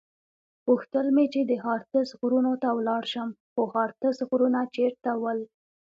غوښتل مې چې د هارتز غرونو ته ولاړ شم، خو هارتز غرونه چېرته ول؟